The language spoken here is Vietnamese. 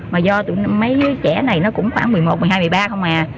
mà do mấy trẻ này nó cũng khoảng một mươi một một mươi hai một mươi ba không à